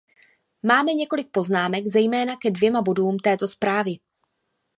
Máme několik poznámek zejména ke dvěma bodům této zprávy.